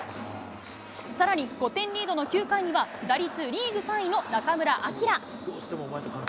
さらに５点リードの９回には、打率リーグ３位の中村晃。